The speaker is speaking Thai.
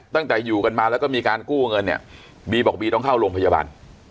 ตั้งแต่อยู่กันมาแล้วก็มีการกู้เงินเนี่ยบีบอกบีต้องเข้าโรงพยาบาล